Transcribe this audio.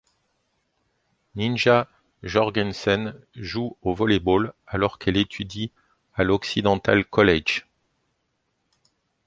Ninja Jorgensen joue au volley-ball alors qu'elle étudie à l'Occidental College.